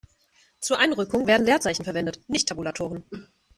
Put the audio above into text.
Zur Einrückung werden Leerzeichen verwendet, nicht Tabulatoren.